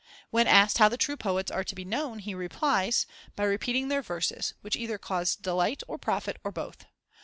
When asked how the true poets are to be known, he replies, "by repeating their verses, which either cause delight, or profit, or both."